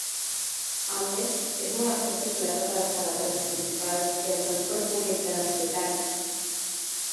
A més, és molt accessible a totes les carreteres principals i al transport públic de la ciutat.